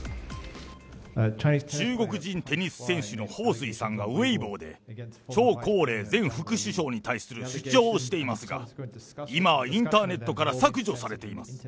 中国人テニス選手の彭帥さんがウェイボーで、張高麗前副首相に対する主張をしていますが、今は、インターネットから削除されています。